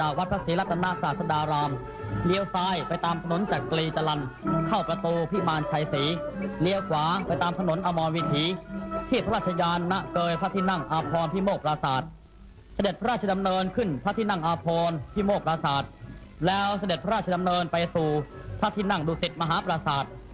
มีความรู้สึกว่ามีความรู้สึกว่ามีความรู้สึกว่ามีความรู้สึกว่ามีความรู้สึกว่ามีความรู้สึกว่ามีความรู้สึกว่ามีความรู้สึกว่ามีความรู้สึกว่ามีความรู้สึกว่ามีความรู้สึกว่ามีความรู้สึกว่ามีความรู้สึกว่ามีความรู้สึกว่ามีความรู้สึกว่ามีความรู้สึกว